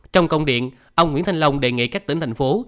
trong công điện ông nguyễn thanh long đề nghị các tỉnh thành phố